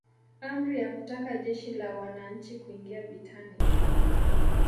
Amri ya kutaka Jeshi la Wananchi kuingia vitani